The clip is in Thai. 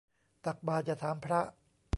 ตักบาตรอย่าถามพระ